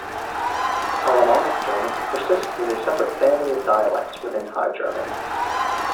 Alemannic German persists as a separate family of dialects within High German.